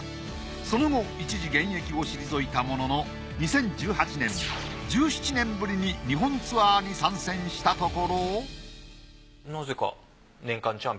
その後一時現役を退いたものの２０１８年１７年ぶりに日本ツアーに参戦したところえっ！